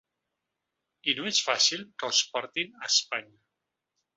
I no és fàcil que us portin a Espanya.